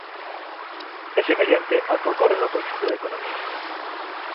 É semellante ao que ocorre no conxunto da economía.